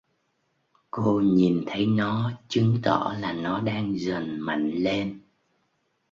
Cô nhìn thấy nó chứng tỏ là nó đang dần mạnh lên